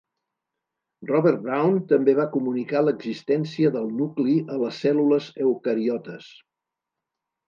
Robert Brown també va comunicar l'existència del nucli a les cèl·lules eucariotes.